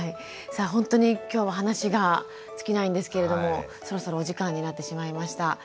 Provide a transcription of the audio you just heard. さあ本当に今日は話が尽きないんですけれどもそろそろお時間になってしまいました。